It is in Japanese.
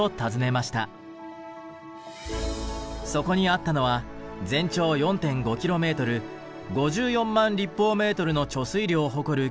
そこにあったのは全長４．５キロメートル５４万立方メートルの貯水量を誇る巨大な調整池。